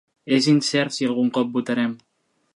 És incert si algun cop votarem.